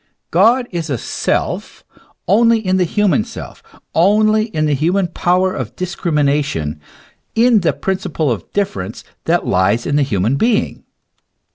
God is a Self only in the human self, only in the human power of discrimination, in the principle of difference that lies in the human being.